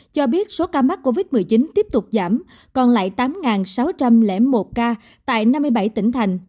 cho biết số ca mắc covid một mươi chín tiếp tục giảm còn lại tám sáu trăm linh một ca tại năm mươi bảy tỉnh thành